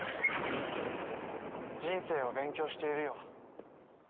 人生を勉強しているよ。